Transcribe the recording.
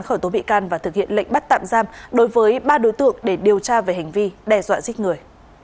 khởi tố bị can và thực hiện lệnh bắt tạm giam đối với ba đối tượng để điều tra về hành vi đe dọa giết người